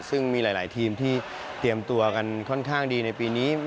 ซึ่งมีหลายทีมที่เตรียมตัวกันค่อนข้างดีในปีนี้